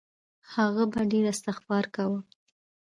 هغه به ډېر استغفار کاوه.